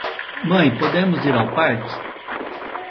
Mãe podemos ir ao parque?